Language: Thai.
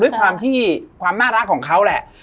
ด้วยความที่ความน่ารักของเขาแหละ